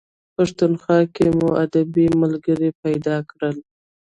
په پښتونخوا کې مو ادبي ملګري پیدا کړل.